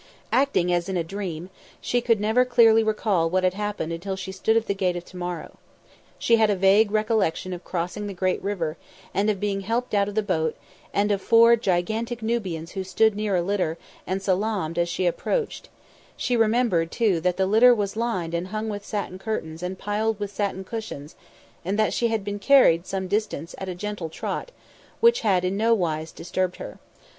Acting as in a dream, she could never clearly recall what happened until she stood at the Gate of To morrow. She had a vague recollection of crossing the great river, and of being helped out of the boat, and of four gigantic Nubians who stood near a litter and salaamed as she approached; she remembered, too, that the litter was lined and hung with satin curtains and piled with satin cushions, and that she had been carried some distance at a gentle trot which had in no wise disturbed her.